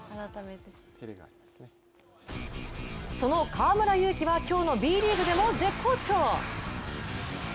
その河村勇輝は今日のＢリーグでも絶好調！